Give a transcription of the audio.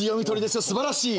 すばらしい。